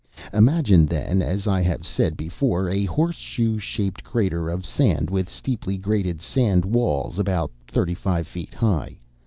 Imagine then, as I have said before, a horseshoe shaped crater of sand with steeply graded sand walls about thirty five feet high.